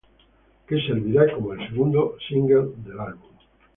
Que servirá como el segundo single del álbum.